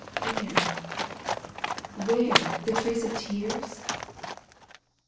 Where, where, the trace of tears